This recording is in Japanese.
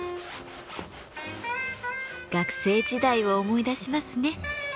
学生時代を思い出しますね。